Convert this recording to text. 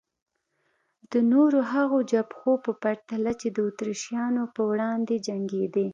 د نورو هغو جبهو په پرتله چې د اتریشیانو په وړاندې جنګېدې.